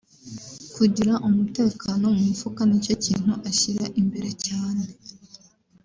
Kugira umutekano mu mufuka nicyo kintu ashyira imbere cyane